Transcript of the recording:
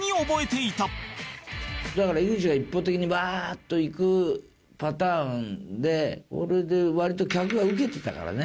だから井口が一方的にバーッといくパターンでそれで割と客がウケてたからね。